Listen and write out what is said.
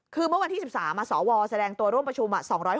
คือเมื่อวันที่๑๓สวแสดงตัวร่วมประชุม